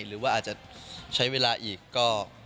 หรือว่าอาจจะใช้เวลาอีกก็